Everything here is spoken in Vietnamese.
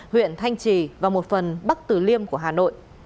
huyện thanh trì và một phần bắc tử liêm của hà nội